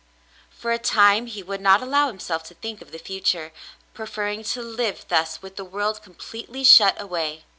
For a time he would not allow himself to think of the The Shadow Lifts 305 future, preferring to live thus with the world completely shut away.